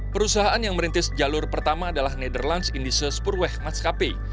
perusahaan yang merintis jalur pertama adalah nederlands indische spoorweg maatschappij